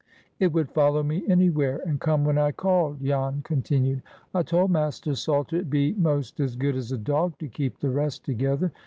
"It would follow me anywhere, and come when I called," Jan continued. "I told Master Salter it be 'most as good as a dog, to keep the rest together.